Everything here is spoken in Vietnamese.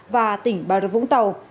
và tỉnh bà rất vũng tàu